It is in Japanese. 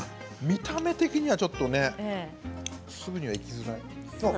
見た目的にはちょっと、すぐにはいきづらい。